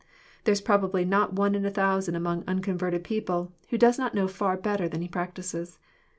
There is probably not one in a thousand among unconverted people, who does not know far better than he practises.